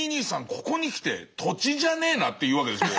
ここにきて土地じゃねえなって言うわけですよね。